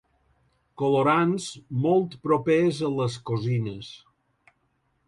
Colorants molt propers a les cosines.